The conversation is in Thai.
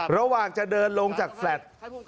ระหว่างจะเดินลงจากแฟลต์